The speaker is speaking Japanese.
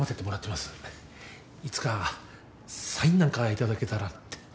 いつかサインなんか頂けたらって。